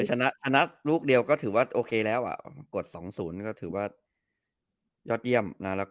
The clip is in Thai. ชนะลูกเดียวก็ถือว่าโอเคแล้วกฎ๒๐ก็ถือว่ายอดเยี่ยมนะ